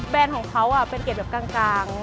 แบรนด์ของเขาเป็นเกร็ดแบบกลาง